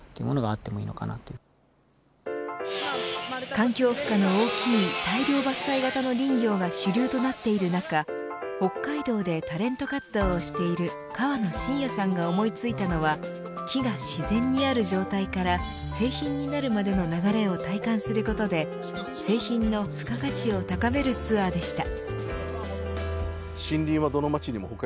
環境負荷の大きい大量伐採型の林業が主流となっている中北海道でタレント活動をしている河野真也さんが思いついたのは木が自然にある状態から製品になるまでの流れを体感することで製品の付加価値を高めるツアーでした。